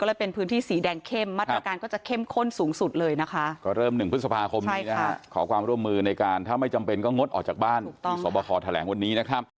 ร่วมมือกันอย่างแข็งขันและเต็มที่เลยนะครับ